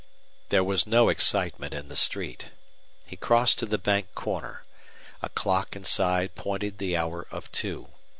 There was no excitement in the street. He crossed to the bank corner. A clock inside pointed the hour of two.